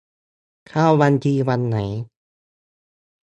เข้าบัญชีวันไหน